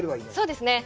そうですね。